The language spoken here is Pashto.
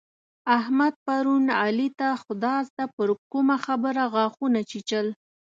احمد پرون علي ته خداسته پر کومه خبره غاښونه چيچل.